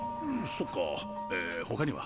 そっかえ他には？